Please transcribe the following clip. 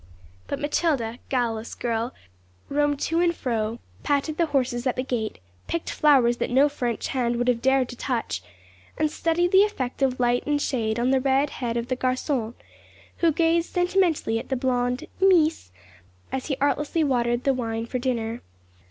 But Matilda, guileless girl, roamed to and fro, patted the horses at the gate, picked flowers that no French hand would have dared to touch, and studied the effect of light and shade on the red head of the garçon, who gazed sentimentally at 'the blonde "Mees,"' as he artlessly watered the wine for dinner.